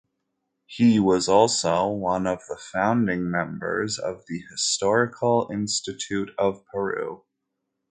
He was also one of the founding members of the Historical Institute of Peru.